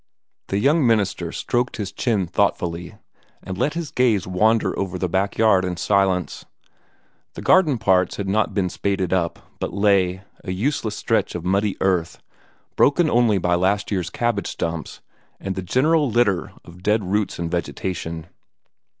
The young minister stroked his chin thoughtfully, and let his gaze wander over the backyard in silence. The garden parts had not been spaded up, but lay, a useless stretch of muddy earth, broken only by last year's cabbage stumps and the general litter of dead roots and vegetation.